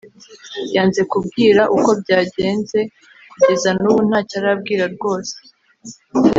Yanze kubwira uko byagenze kugeza nubu ntacyo arabwira rwose